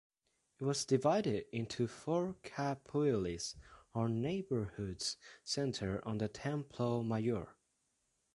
It was divided into four capuillis or neighborhoods centering on the Templo Mayor.